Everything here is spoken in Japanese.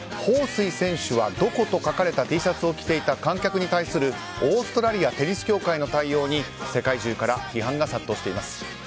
ホウ・スイ選手はどこ？と書かれたＴシャツを着ていた観客に対するオーストラリアテニス協会の対応に、世界中から批判が殺到しています。